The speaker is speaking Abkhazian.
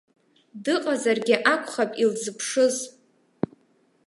Дыҟазаргьы акәхап илзыԥшыз.